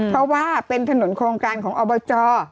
เพราะว่าเป็นถนนโครงการของอบจ